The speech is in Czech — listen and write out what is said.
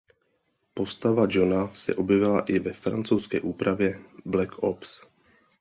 Postava Johna se objevila i ve francouzské úpravě Black Ops.